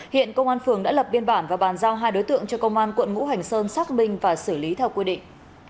hiện công an phường đã lập biên bản và bàn giao hai đối tượng cho công an quận ngũ hành sơn xác minh và xử lý theo quy định